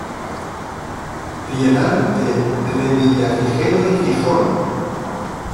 Trienal de Revillagigedo en Gijón.